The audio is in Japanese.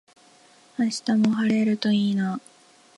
明日も晴れるといいな。